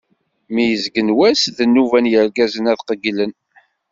Mi yezgen wass, d nnuba n yirgazen ad qegglen.